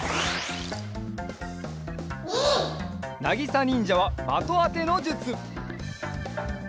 なぎさにんじゃはまとあてのじゅつ！